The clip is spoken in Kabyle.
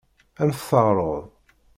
Ad m-t-teɛṛeḍ?